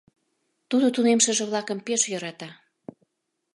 Тудо тунемшыже-влакым пеш йӧрата.